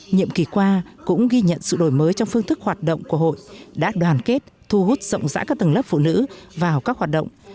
nhiệm kỳ qua cũng ghi nhận sự đổi mới trong phương thức hoạt động của hội đã đoàn kết thu hút rộng rãi các tầng lớp phụ nữ vào các hoạt động